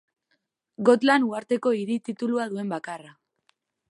Gotland uharteko hiri titulua duen bakarra.